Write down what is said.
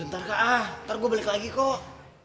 sebentar kak nanti gue balik lagi kok